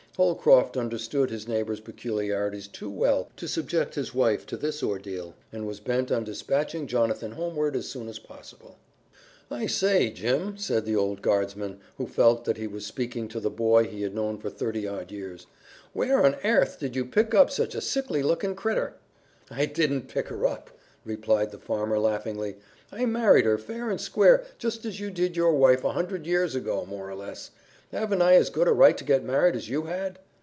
Holcroft understood his neighbor's peculiarities too well to subject his wife to this ordeal, and was bent on dispatching Jonathan homeward as soon as possible. "I say, Jim," said the old guardsman, who felt that he was speaking to the boy he had known for thirty odd years, "where on airth did you pick up sich a sickly lookin' critter?" "I didn't pick her up," replied the farmer laughingly. "I married her fair and square just as you did your wife a hundred years ago, more or less. Haven't I as good a right to get married as you had?"